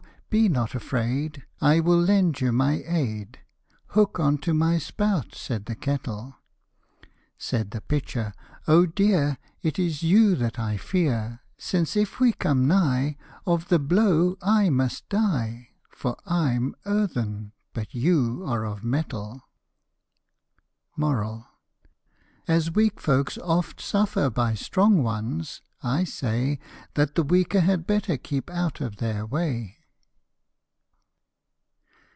be not afraid, I will lend you my aid ; Hook on to my spout," said the kettle. Said the pitcher, " O dear, it is you that I fear, Since if we come nigh, of the blow / must die ; For I'm earthen, but you are of metal" 11 As weak folks oft suffer by strong ones, I say That the weaker had better keep out of their way.